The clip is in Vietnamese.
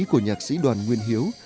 của nhạc sĩ đoàn nguyên hiếu